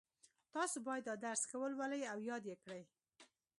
تاسو باید دا درس ښه ولولئ او یاد یې کړئ